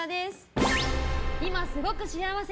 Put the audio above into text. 今すごく幸せ！